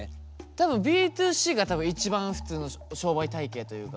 多分Ｂ２Ｃが多分一番普通の商売体系というか。